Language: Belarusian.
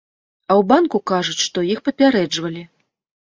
А ў банку кажуць, што іх папярэджвалі!